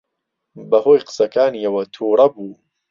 بەهۆی قسەکانیەوە تووڕە بوو.